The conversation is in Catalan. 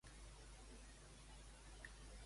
Què menjuqueja el drac?